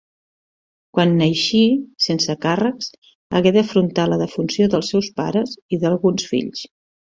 Quan n'eixí, sense càrrecs, hagué d'afrontar la defunció dels seus pares i d'alguns fills.